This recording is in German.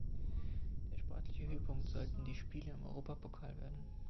Der sportliche Höhepunkt sollten die Spiele im Europapokal werden.